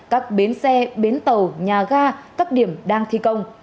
các bến xe bến tàu nhà ga các điểm đang thi công